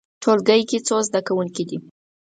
ټولګی کې څو زده کوونکي دي؟